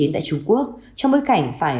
tại trung quốc trong bối cảnh phải